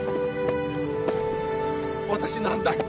私なんだよ。